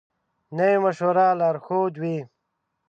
نوی مشوره لارښود وي